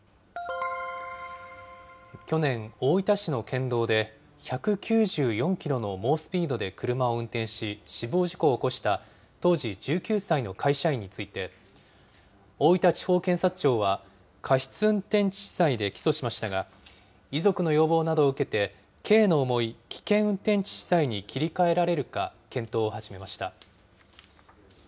去年、大分市の県道で１９４キロの猛スピードで車を運転し、死亡事故を起こした、当時１９歳の会社員について、大分地方検察庁は、過失運転致死罪で起訴しましたが、遺族の要望などを受けて、刑の重い危険運転致死罪に切り替えられるか、検討を始めました。